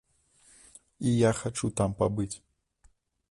І я хачу там пабыць.